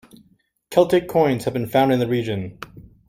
Celtic coins have been found in the region.